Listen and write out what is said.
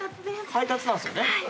配達なんですよね。